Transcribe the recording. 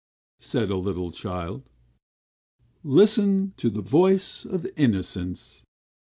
said a little child. "Listen to the voice of innocence!"